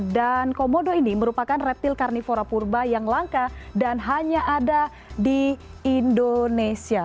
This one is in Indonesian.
dan komodo ini merupakan reptil karnifora purba yang langka dan hanya ada di indonesia